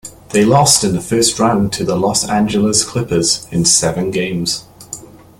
They lost in the first round to the Los Angeles Clippers in seven games.